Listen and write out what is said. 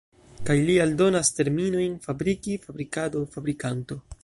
Kaj li aldonas terminojn fabriki, fabrikado, fabrikanto.